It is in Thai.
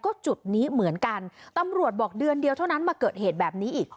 ก็จุดนี้เหมือนกันตำรวจบอกเดือนเดียวเท่านั้นมาเกิดเหตุแบบนี้อีก